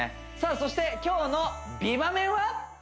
そして今日の美バメンは？